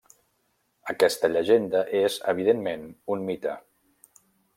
Aquesta llegenda és evidentment un mite.